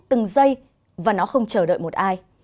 từng giây và nó không chờ đợi một ai